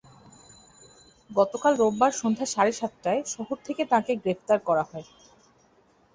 গতকাল রোববার সন্ধ্যা সাড়ে সাতটায় শহর থেকে তাঁকে গ্রেপ্তার করা হয়।